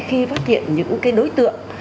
khi phát hiện những đối tượng